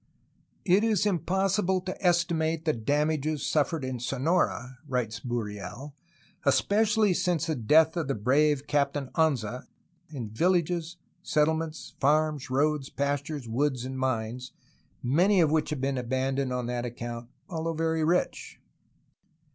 "It is impossible to estimate the damages suffered in Sonora," writes Burriel, ''especially since the death of the brave Captain Anza, in villages, settlements, farms, roads, pastures, woods, and mines, many of which have been abandoned on that account, although very rich."